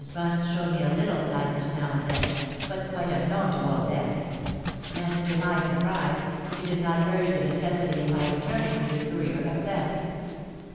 Bunce showed me a little kindness now and then, but quite unknown to Old Death; and, to my surprise, she did not urge the necessity of my returning to the career of theft.